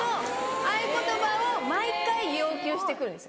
合言葉を毎回要求して来るんです。